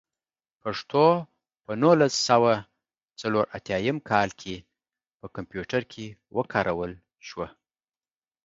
پښتو په نولس سوه څلور اتيايم کال کې په کمپيوټر کې وکارول شوه.